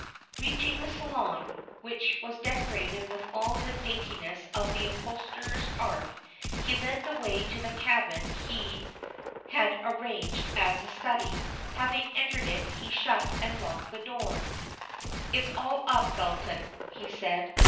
Reaching the saloon, which was decorated with all the daintiness of the upholsterer's art, he led the way to the cabin he had arranged as a study. Having entered it, he shut and locked the door. "It's all up, Belton," he said.